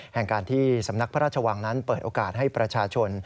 แห่งการที่สำนักพระราชวังนั้นเปิดโอกาสให้ประชาชน